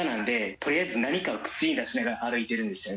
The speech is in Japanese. とりあえず何か口に出しながら歩いてるんですよね